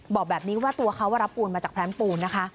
บอกแบบนี้ว่าตัวเขาว่ารับปูนมาจากแรมปูนนะคะ